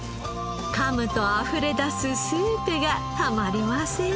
かむとあふれ出すスープがたまりません。